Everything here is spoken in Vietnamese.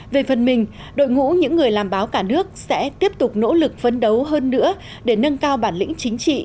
về phần mình đội ngũ những người làm báo cả nước sẽ tiếp tục nỗ lực phấn đấu hơn nữa để nâng cao bản lĩnh chính trị